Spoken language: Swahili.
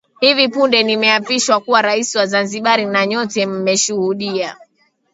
hivi punde nimeapishwa kuwa rais wa zanzibar na nyote mmeshuhudia